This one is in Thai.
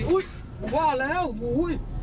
อุ๊ยว่าแล้วอุ๊ย